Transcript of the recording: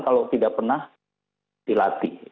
kalau tidak pernah dilatihkan